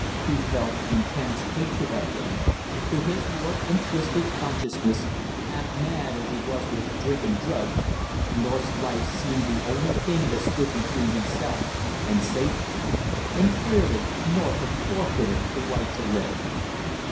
He felt intense hatred of him; to his warped and twisted consciousness, half mad as he was with drink and drugs, North's life seemed the one thing that stood between himself and safety, and clearly North had forfeited the right to live!